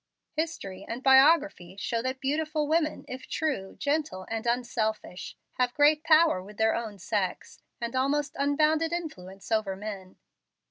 History and biography show that beautiful women, if true, gentle, and unselfish, have great power with their own sex, and almost unbounded influence over men.